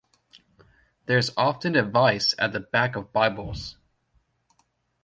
There’s often advice at the back of bibles